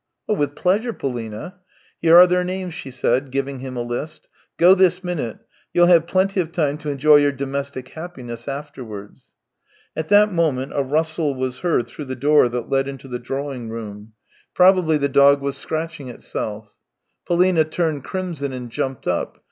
" With pleasure, Polina." " Here are their names." she said, giving him a list. " Go this minute; you'll have plenty of time to enjoy your domestic happiness afterwards." At that moment a rustle was heard through the door that led into the drawing room ; probably 284 THE TALES OF TCHEHOV the dog was scratching itself. PoUna turned crimson and jumped up.